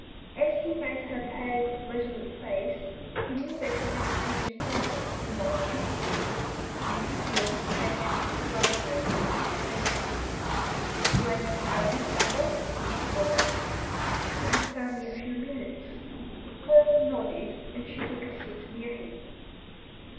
As he met her pale, resolute face, he knew that she had a serious purpose in thus visiting him, and his look changed to one of nervous anticipation. "Do I disturb you, father?" Maud asked. "Could you spare me a few minutes?" Paul nodded, and she took a seat near him.